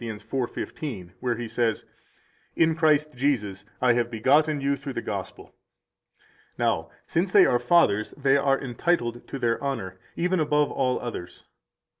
4:15, where he says: In Christ Jesus I have begotten you through the Gospel. Now, 160 since they are fathers they are entitled to their honor, even above all others.